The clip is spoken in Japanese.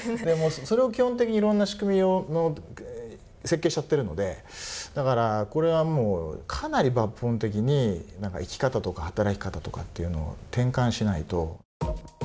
それを基本的にいろんな仕組みの設計しちゃってるのでだからこれはもうかなり抜本的に生き方とか働き方とかっていうのを転換しないと。